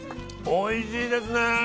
おいしいですね。